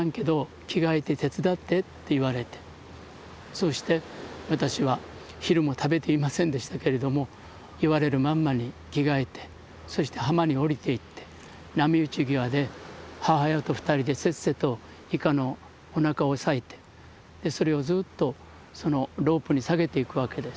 そうして私は昼も食べていませんでしたけれども言われるまんまに着替えてそして浜に下りていって波打ち際で母親と２人でせっせとイカのおなかを割いてそれをずっとそのロープに下げていくわけです。